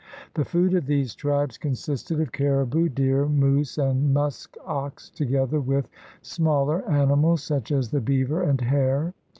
The food of these tribes consisted of caribou, deer, moose, and musk ox together with smaller animals such as the beaver and hare.